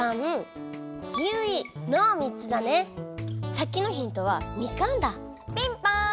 さっきのヒントはみかんだ！ピンポーン！